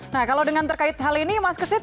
nah kalau dengan terkait hal ini mas kesit